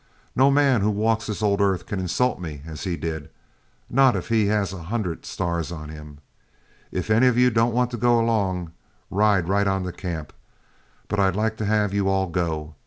No man who walks this old earth can insult me, as he did, not if he has a hundred stars on him. If any of you don't want to go along, ride right on to camp, but I'd like to have you all go.